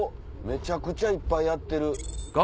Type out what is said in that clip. めちゃくちゃいっぱいやってる。